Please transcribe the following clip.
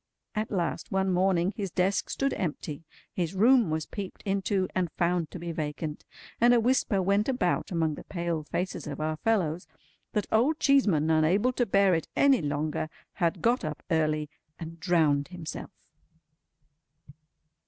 At last, one morning, his desk stood empty, his room was peeped into, and found to be vacant, and a whisper went about among the pale faces of our fellows that Old Cheeseman, unable to bear it any longer, had got up early and drowned himself.